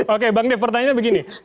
oke bang dev pertanyaannya begini